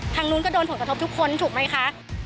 ทางนู้นก็โดนผลกระทบทุกคนถูกไหมคะ